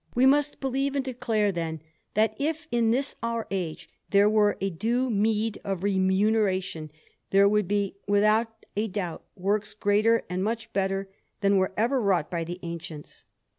We must believe and declare, then, that if, in this our age, there were a due meed of remuneration, there would be without a doubt works greater and much better than were ever wrought by the ancients.